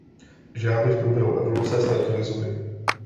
Žáby v průběhu evoluce ztratily zuby.